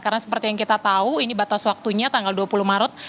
karena seperti yang kita tahu ini batas waktunya tanggal dua puluh maret